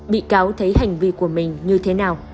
bị cáo thấy hành vi của mình như thế nào